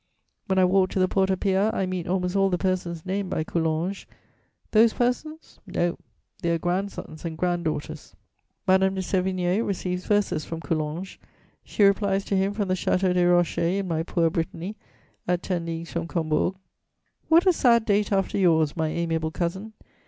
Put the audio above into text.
When I walk to the Porta Pia, I meet almost all the persons named by Coulanges: those persons? No: their grandsons and grand daughters! Madame de Sévigné receives verses from Coulanges; she replies to him from the Château des Rochers in my poor Brittany, at ten leagues from Combourg: "What a sad date after yours, my amiable cousin!